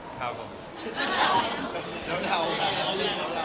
ครับผม